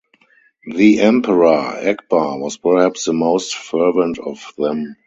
The emperor Akbar was perhaps the most fervent of them.